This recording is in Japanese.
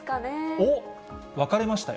おっ、分かれましたよ。